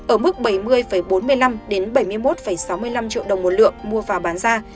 ở mức bảy mươi bốn mươi năm bảy mươi một sáu mươi năm triệu đồng một lượng mua vào bán ra